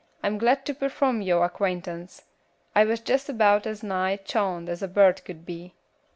I'm glad to perform yo' acquaintance. I was jess about as nigh chawmed as a bird could be.'